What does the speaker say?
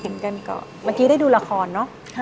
เมื่อกี้ได้ดูละครเนอะ